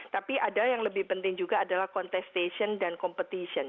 tapi ada yang lebih penting juga adalah contestation dan competition